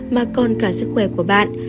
mà còn cả sức khỏe của bạn